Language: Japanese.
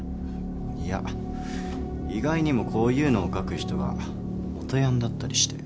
いや意外にもこういうのを描く人が元ヤンだったりして。